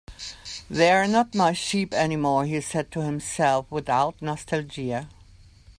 "They're not my sheep anymore," he said to himself, without nostalgia.